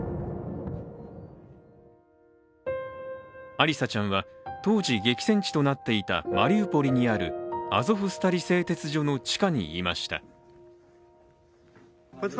アリサちゃんは、当時、激戦地となっていたマリウポリにあるアゾフスタリ製鉄所の地下にいました。